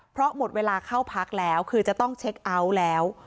เพราะหมดเวลาเข้าพักแล้วคือจะต้องเช็คเอาท์แล้ว